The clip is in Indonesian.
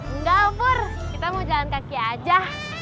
enggak fur kita mau jalan kaki aja